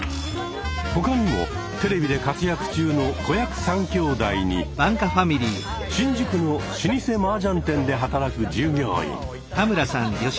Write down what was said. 他にもテレビで活躍中の子役３きょうだいに新宿の老舗マージャン店で働く従業員。